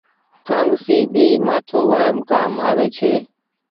ڪآنگسي ڀي مآٿو وآئم ڪآم آوي ڇي۔